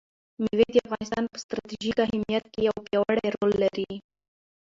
مېوې د افغانستان په ستراتیژیک اهمیت کې یو پیاوړی رول لري.